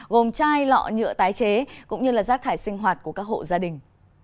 gồm chai lọ nhựa tái chế cũng như là rác thải sinh hoạt của các hộ gia đình